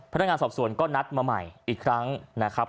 พนักงานสอบสวนก็นัดมาใหม่อีกครั้งนะครับ